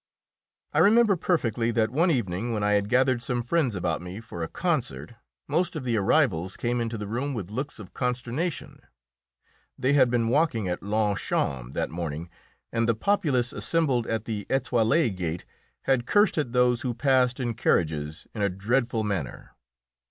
I remember perfectly that one evening when I had gathered some friends about me for a concert, most of the arrivals came into the room with looks of consternation; they had been walking at Longchamps that morning, and the populace assembled at the Étoile gate had cursed at those who passed in carriages in a dreadful manner.